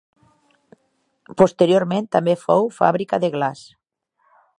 Posteriorment també fou fàbrica de glaç.